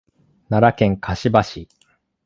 奈良県香芝市